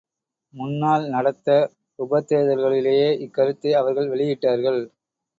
முன்னால் நடத்த உபதேர்தல்களிலேயே இக்கருத்தை அவர்கள் வெளியிட்டார்கள்.